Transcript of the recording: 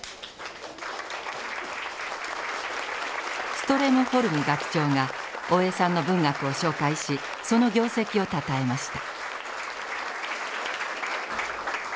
ストレノホルム学長が大江さんの文学を紹介しその業績をたたえました。